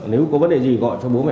nếu có vấn đề gì gọi cho bố mẹ